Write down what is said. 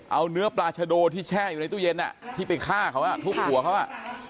เอาเนื้อปลาชะโดที่แช่อยู่ในตู้เย็นที่ไปฆ่าเขาทุบหัวเขาอ่ะ